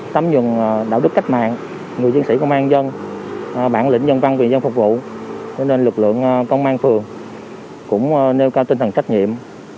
tấm nhuận đạo đức cách mạng người chiến sĩ công an dân bản lĩnh dân văn viện dân phục vụ nên lực lượng công an phường cũng nêu cao tinh thần trách nhiệm